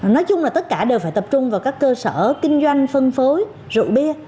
nói chung là tất cả đều phải tập trung vào các cơ sở kinh doanh phân phối rượu bia